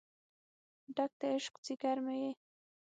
ډک د عشق ځیګر مې یې